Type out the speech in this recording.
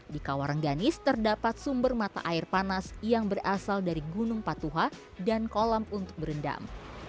di kawarengganis terdapat sumber mata air panas yang berasal dari gunung patuha dan kolam untuk berendam